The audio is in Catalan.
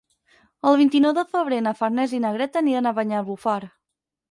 El vint-i-nou de febrer na Farners i na Greta aniran a Banyalbufar.